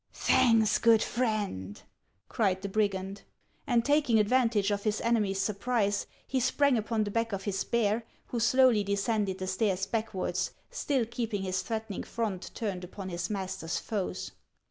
" Thanks, good Friend !" cried the brigand. And taking advantage of his enemy's surprise, he sprang upon the back of his bear, who slowly descended the stairs back wards, still keeping his threatening front turned upon his master's foes.